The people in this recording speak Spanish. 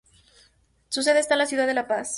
Su sede está en la ciudad de La Paz.